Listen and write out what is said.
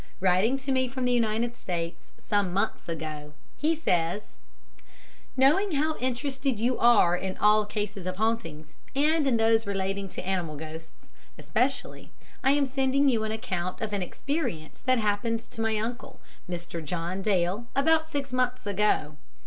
Writing to me from the United States some months ago, he says: "Knowing how interested you are in all cases of hauntings, and in those relating to animal ghosts especially, I am sending you an account of an 'experience' that happened to my uncle, Mr. John Dale, about six months ago.